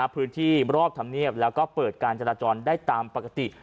พื้นที่รอบธรรมเนียบแล้วก็เปิดการจราจรได้ตามปกติ